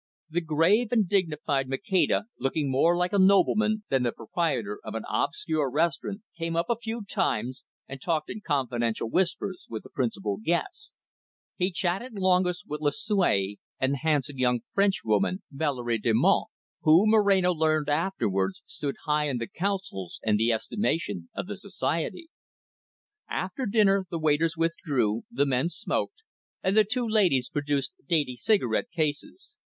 The grave and dignified Maceda, looking more like a nobleman than the proprietor of an obscure restaurant, came up a few times, and talked in confidential whispers with the principal guests. He chatted longest with Lucue and the handsome young Frenchwoman, Valerie Delmonte, who, Moreno learned afterwards, stood high in the councils and the estimation of the society. After dinner, the waiters withdrew, the men smoked, and the two ladies produced dainty cigarette cases.